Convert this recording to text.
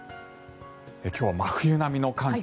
今日は真冬並みの寒気。